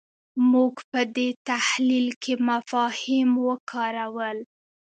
موږ په دې تحلیل کې مفاهیم وکارول.